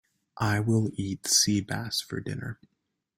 I will eat sea bass for dinner.